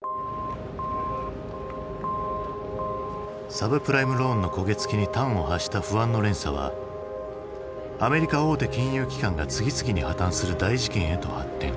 サブプライムローンの焦げ付きに端を発した不安の連鎖はアメリカ大手金融機関が次々に破綻する大事件へと発展。